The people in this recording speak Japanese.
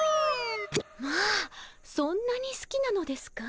まあそんなにすきなのですか。